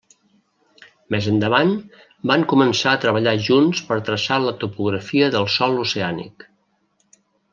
Més endavant, van començar a treballar junts per traçar la topografia del sòl oceànic.